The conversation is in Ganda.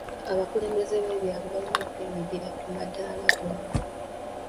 Abakulembeze b'ebyalo balina okwenyigiramu ku madaala gonna.